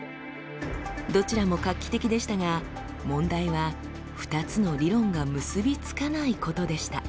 どちらも画期的でしたが問題は２つの理論が結び付かないことでした。